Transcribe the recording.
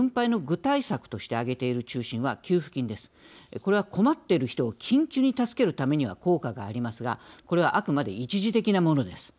これは困っている人を緊急に助けるためには効果がありますがこれはあくまで一時的なものです。